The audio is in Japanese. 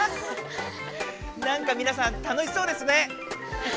なんかみなさん楽しそうですね。